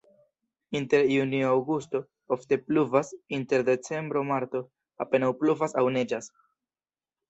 Inter junio-aŭgusto ofte pluvas, inter decembro-marto apenaŭ pluvas aŭ neĝas.